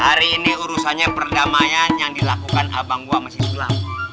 hari ini urusannya perdamaian yang dilakukan abang gua sama si sulam